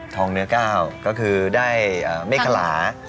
เนื้อก้าวก็คือได้เมฆขลา